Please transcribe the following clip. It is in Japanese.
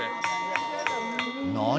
何